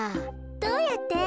どうやって？